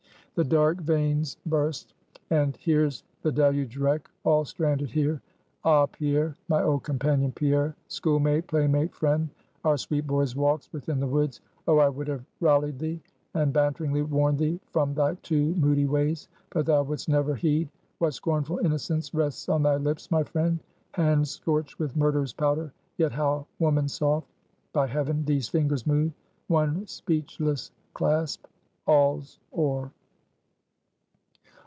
"The dark vein's burst, and here's the deluge wreck all stranded here! Ah, Pierre! my old companion, Pierre; school mate play mate friend! Our sweet boy's walks within the woods! Oh, I would have rallied thee, and banteringly warned thee from thy too moody ways, but thou wouldst never heed! What scornful innocence rests on thy lips, my friend! Hand scorched with murderer's powder, yet how woman soft! By heaven, these fingers move! one speechless clasp! all's o'er!"